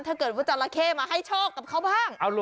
ถ้าเกิดว่าจราเข้มาให้โชคกับเขาบ้าง